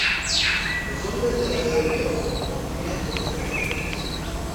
Los hombres de la Edad del Hierro, construían con estos materiales.